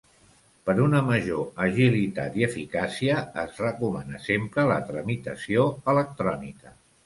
Per una major agilitat i eficàcia es recomana sempre la tramitació electrònica.